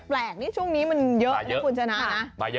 แปลกนี่ช่วงนี้มันเยอะนะคุณชนะนะ